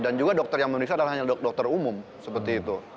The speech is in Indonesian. dan juga dokter yang memeriksa adalah dokter umum seperti itu